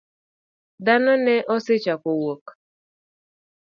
Dhano ne osechako wuok.